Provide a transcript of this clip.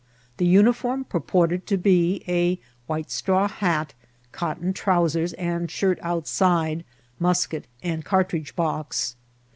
The uniform purported to be a white straw hat, cotton trousers and shirt outside, musket, and cartridge box.